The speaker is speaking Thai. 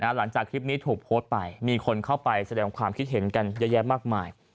หลังจากคลิปนี้ถูกโพสต์ไปมีคนเข้าไปแสดงความคิดเห็นกันเยอะแยะมากมาย